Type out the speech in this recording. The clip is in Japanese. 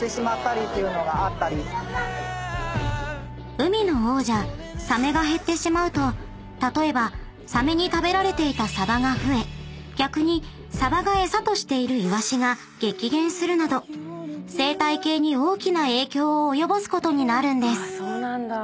［海の王者サメが減ってしまうと例えばサメに食べられていたサバが増え逆にサバがエサとしているイワシが激減するなど生態系に大きな影響を及ぼすことになるんです］